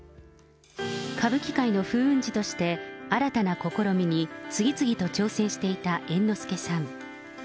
歌舞伎界の風雲児として新たな試みに、次々と挑戦していた猿之助さん。